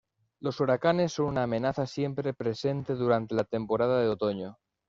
Los huracanes son una amenaza siempre presente durante la temporada de otoño.